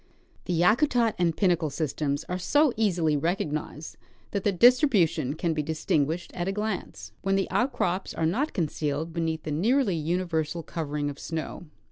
The Yakutat and Pinnacle systems are so easily recognized that their distribution can be distinguished at a glance, when the outcrops are not concealed beneath the nearly universal covering of snow.